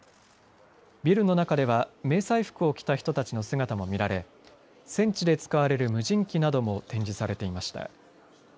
ビルの中では迷彩服を着た人たちの姿も見られ戦地で使われる無人機なども展示されていました。